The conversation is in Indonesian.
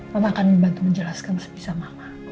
mama akan membantu menjelaskan bisa mama